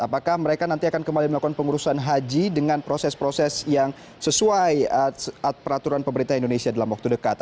apakah mereka nanti akan kembali melakukan pengurusan haji dengan proses proses yang sesuai peraturan pemerintah indonesia dalam waktu dekat